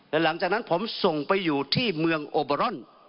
และหลังจากนั้นผมส่งไปอยู่ที่เมืองโอเบอร์รอน